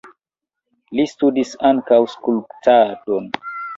Li studis ankaŭ skulptadon.